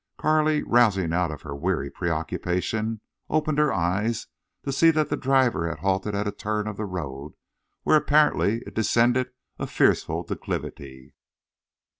Carley, rousing out of her weary preoccupation, opened her eyes to see that the driver had halted at a turn of the road, where apparently it descended a fearful declivity.